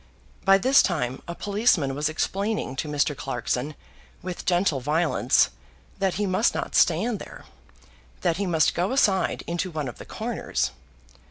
By this time a policeman was explaining to Mr. Clarkson with gentle violence that he must not stand there, that he must go aside into one of the corners.